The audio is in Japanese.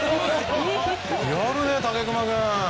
やるね、武隈君。